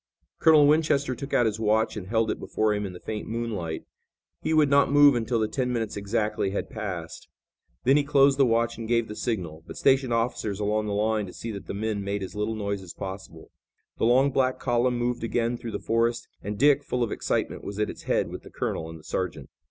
Colonel Winchester took out his watch and held it before him in the faint moonlight. He would not move until the ten minutes exactly had passed. Then he closed the watch and gave the signal, but stationed officers along the line to see that the men made as little noise as possible. The long black column moved again through the forest and Dick, full of excitement was at its head with the colonel and the sergeant.